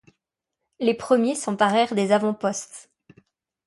Les premiers s'emparèrent des avant-postes.